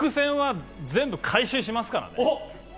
伏線は全部、回収しますからね。